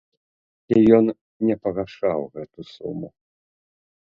І ён не пагашаў гэту суму.